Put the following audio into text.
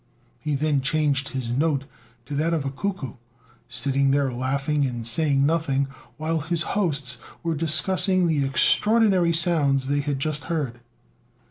He then changed his note to that of a cuckoo, sitting there laughing and saying nothing, while his hosts were discussing the extraordinary sounds they had just heard.